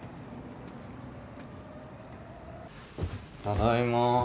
ただいま。